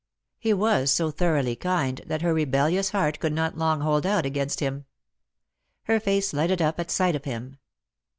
He was so thoroughly kind that her rebellious heart could not long hold out against him. Her face lighted up at sight of him.